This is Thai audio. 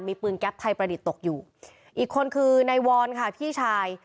มีปืนแก๊ปไทยประดิษฐ์ตกอยู่อีกคนคือนายวรค่ะพี่ชาย